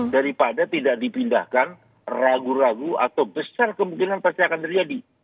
daripada tidak dipindahkan ragu ragu atau besar kemungkinan pasti akan terjadi